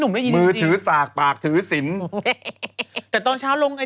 ไม่ใช่